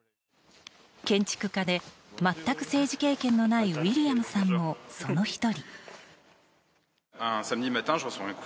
建築家で、全く政治経験のないウィリアムさんもその１人。